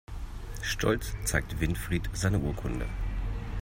Stolz zeigt Winfried seine Urkunde.